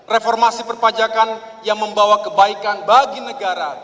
reformasi perpajakan yang membawa kebaikan bagi negara